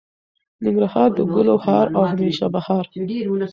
ننګرهار د ګلو هار او همیشه بهار.